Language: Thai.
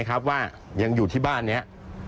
เค้าว่ายังอยู่ที่บ้านเนี้ย